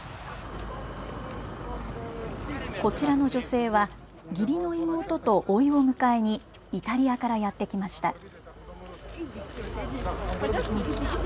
こちらの女性は、義理の妹とおいを迎えに、イタリアからやって来ました。